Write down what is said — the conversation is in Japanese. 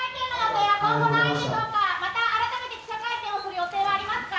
また記者会見をする予定はありますか？